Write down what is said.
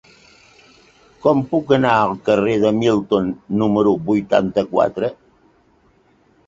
Com puc anar al carrer de Milton número vuitanta-quatre?